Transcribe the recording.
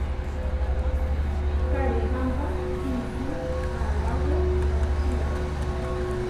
Karihámpa isú aaráwe pahčíra.